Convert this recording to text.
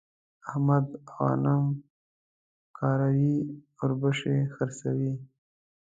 احمد غنم ښکاروي ـ اوربشې خرڅوي.